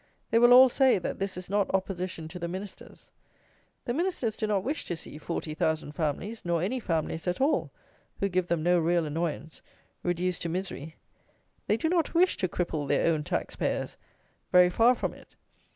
They will all say that this is not opposition to the Ministers. The Ministers do not wish to see 40,000 families, nor any families at all (who give them no real annoyance), reduced to misery; they do not wish to cripple their own tax payers; very far from it.